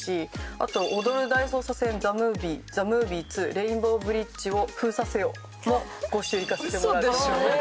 あと『踊る大捜査線ＴＨＥＭＯＶＩＥ』『ＴＨＥＭＯＶＩＥ２レインボーブリッジを封鎖せよ！』も５周いかせてもらってます。